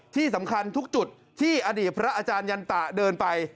ที่สำคัญทุกจุดที่อดีตพระอาจารยันตะเดินไป